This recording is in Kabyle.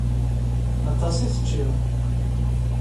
Aṭas i teččiḍ.